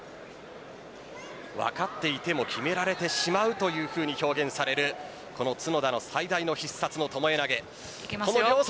分かっていても極められてしまうというふうに表現される角田の最大の必殺の巴投。